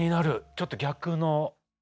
ちょっと逆の。